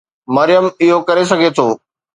مريم اهو ڪري سگهي ٿو.